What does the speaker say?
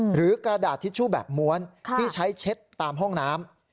กระดาษทิชชู่แบบม้วนที่ใช้เช็ดตามห้องน้ำ